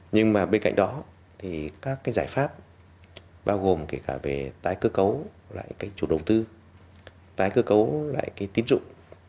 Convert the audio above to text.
nhưng mà bên cạnh đó thì các cái giải pháp bao gồm kể cả về tái cơ cấu lại cái chủ đầu tư tái cơ cấu lại cái tín dụng